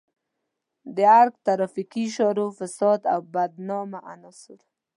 د ارګ ترافیکي اشارو فاسد او بدنامه عناصر.